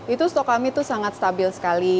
itu stok kami itu sangat stabil sekali